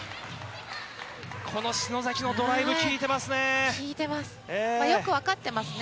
この篠崎のドライブ、効いてますね。